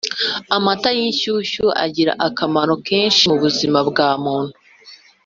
Amata y’inshushyu agira akomaro kenshi mu buzima bwa muntu